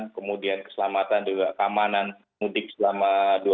kemudian keselamatan juga keamanan mudik selama dua ribu dua puluh dua